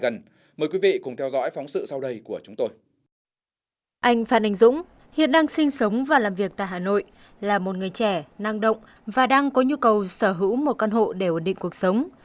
anh phan anh dũng hiện đang sinh sống và làm việc tại hà nội là một người trẻ năng động và đang có nhu cầu sở hữu một căn hộ để ổn định cuộc sống